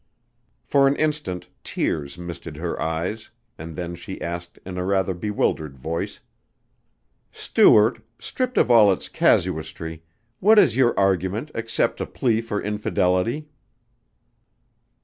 For an instant tears misted her eyes and then she asked in a rather bewildered voice, "Stuart, stripped of all its casuistry, what is your argument except a plea for infidelity?"